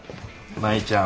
舞ちゃん